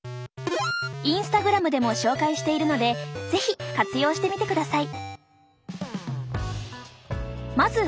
インスタグラムでも紹介しているので是非活用してみてください。